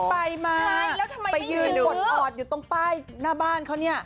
ไปมาไปยืนกดออดอยู่ตรงป้ายหน้าบ้านเขาเนี่ย